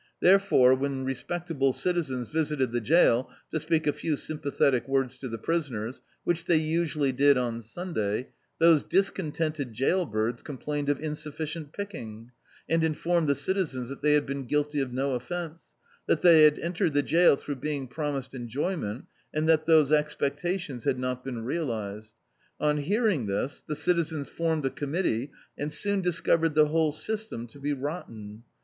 Therefore, when respectable citizens visited the jail to speak a few sympathetic words to the prisoners, which they usu ally did on Sunday, those discontented jail birds complained of insufficient picking; and informed the citizens that they had been guilty of no offence; that they had entered the jail throu^ being promised enjoyment, and that those expectaticns had not been realised. On hearing this, the citizens formed a committee, and soon discovered the whole system to be rotten.